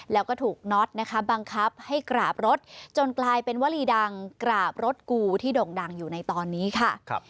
แล้วก็ถูกน็อตนะคะบังคับให้กราบรถจนกลายเป็นวลีดังกราบรถกูที่ด่งดังอยู่ในตอนนี้ค่ะ